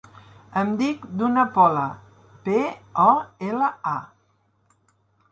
Em dic Duna Pola: pe, o, ela, a.